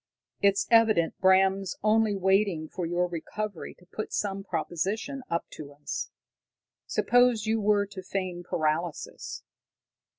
"It's evident Bram's only waiting for your recovery to put some proposition up to us. Suppose you were to feign paralysis."